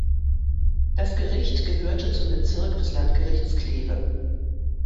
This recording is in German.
Das Gericht gehörte zum Bezirk des Landgerichts Kleve.